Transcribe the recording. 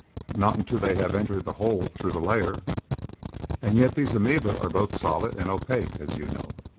"Not until they have entered the hole through the layer." "And yet those amoeba are both solid and opaque, as you know.